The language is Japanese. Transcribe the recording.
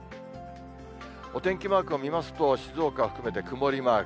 お天気マークを見ますと、静岡含めて曇りマーク。